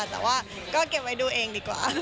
แต่ว่าก็เก็บไว้ดูเองดีกว่า